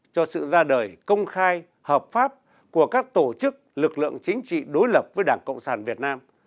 cho sự ra đời công khai hợp pháp của các tổ chức lực lượng chính trị đối lập với đảng cộng sản việt nam